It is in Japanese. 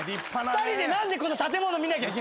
２人で何でこの建物見なきゃいけない？